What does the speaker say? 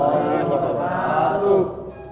waalaikumsalam warahmatullahi wabarakatuh